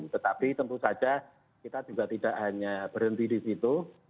tetapi tentu saja kita juga tidak hanya berhenti di situ